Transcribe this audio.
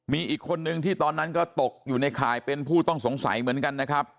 มีอีกคนนึงที่ตอนนั้นก็ตกอยู่ในข่ายเป็นผู้ต้องสงสัยเหมือนกันนะครับ